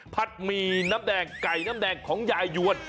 หมี่น้ำแดงไก่น้ำแดงของยายยวน